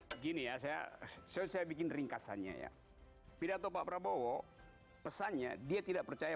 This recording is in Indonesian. hai begini ya saya saya bikin ringkasannya ya pidato pak prabowo pesannya dia tidak percaya